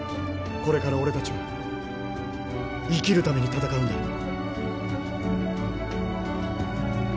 これから俺たちは生きるために戦うんだ。